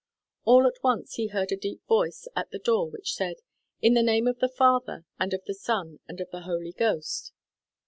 All at once he heard a deep voice at the door which said, "In the Name of the Father and of the Son and of the Holy Ghost."